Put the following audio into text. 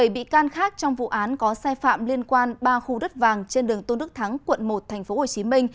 bảy bị can khác trong vụ án có sai phạm liên quan ba khu đất vàng trên đường tôn đức thắng quận một tp hcm